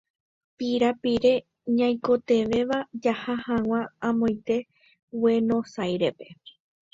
Pirapire ñaikotevẽva jaha hag̃ua amoite Guenosáirepe.